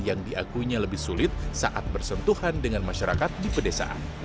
yang diakuinya lebih sulit saat bersentuhan dengan masyarakat di pedesaan